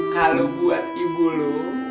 kalo buat ibu lo